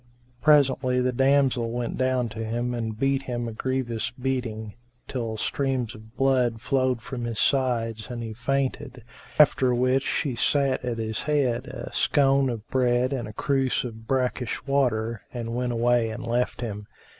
Presently the damsel went down to him and beat him a grievous beating, till streams of blood flowed from his sides and he fainted; after which she set at his head a scone of bread and a cruse of brackish water and went away and left him.